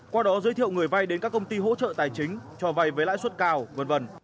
qua đó giới thiệu người vay đến các công ty hỗ trợ tài chính cho vay với lãi suất cao v v